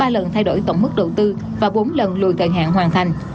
ba lần thay đổi tổng mức đầu tư và bốn lần lùi cận hạn hoàn thành